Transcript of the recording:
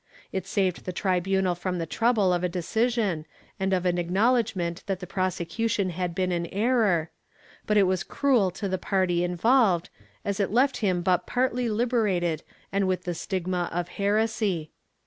It saved the tribunal from the trouble of a decision and of an acknowledgement that the prosecution had been in error, but it was cruel to the party involved, as it left him but partly liberated and with the stigma of heresy.